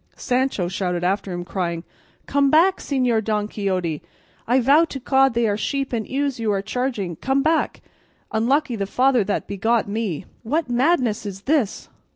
Sancho shouted after him, crying, "Come back, Señor Don Quixote; I vow to God they are sheep and ewes you are charging! Come back! Unlucky the father that begot me! what madness is this!